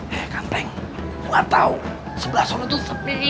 hei kampeng lu ga tau sebelah sana tuh sepi